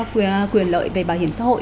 quyền lợi về bảo hiểm xã hội